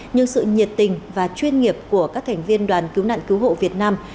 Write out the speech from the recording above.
như sự nhiệt tình và chuyên nghiệp của các thành viên đoàn cứu nạn cứu hộ việt nam